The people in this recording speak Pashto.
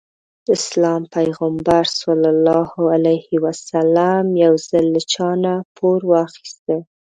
د اسلام پيغمبر ص يو ځل له چانه پور واخيسته.